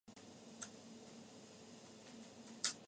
彼は惜しみなく分け、貧しい人に与えた。その慈しみはとこしえに続く。